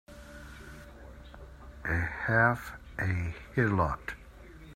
A half a heelot!